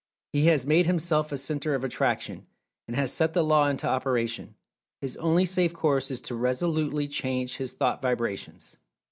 He has made himself a centre of Attraction, and has set the Law into operation. His only safe course is to resolutely change his thought vibrations.